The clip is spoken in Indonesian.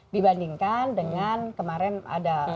dibandingkan dengan kemarin ada